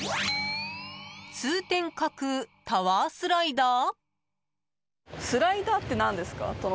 通天閣タワースライダー？